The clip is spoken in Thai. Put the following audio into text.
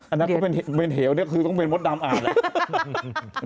อันนั้นก็เป็นเหวนี่คือก็เป็นมนตร์ดำอ่านเลย